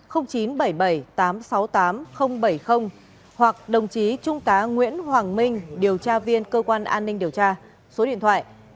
hoặc đồng chí trung tá nguyễn hoàng minh điều tra viên cơ quan an ninh điều tra số điện thoại chín trăm tám mươi ba ba trăm bốn mươi tám ba trăm sáu mươi tám